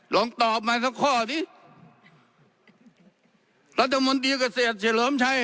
ลองตอบมาสักข้อสิรัฐมนตรีเกษตรเฉลิมชัย